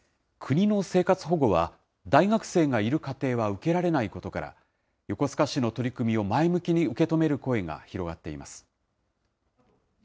国の生活保護は、大学生がいる家庭は受けられないことから、横須賀市の取り組みを前向きに受け止める声が広がっています。